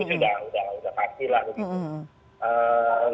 sudah pasti lah begitu